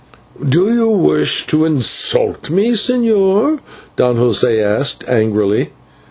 "Do you wish to insult me, señor?" Don José asked angrily.